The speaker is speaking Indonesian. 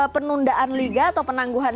penundaan liga atau penangguhan